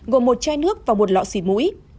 gồm một chai nước và một lọ xịt mũi